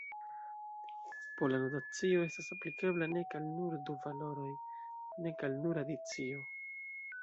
Pola notacio estas aplikebla nek al nur du valoroj, nek al nur adicio.